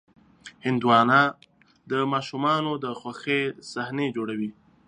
هندوانه د ماشومانو د خوښې صحنې جوړوي.